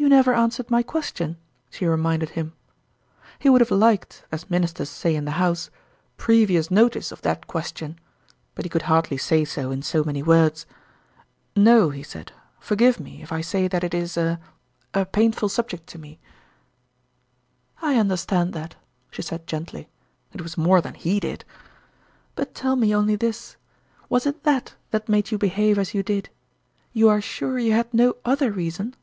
"You never answered my question," she reminded him. He would have liked, as Ministers say in the House, " previous notice of that question ;" but he could hardly say so in so many words. " No," he said. " Forgive me if I say that it is a a painful subject to me." 36 0tmnahn's ftime " I understand that," she said gently (it was more than he did) ;" but tell me only this : was it that that made you behave as you did ? You are sure you had no oilier reason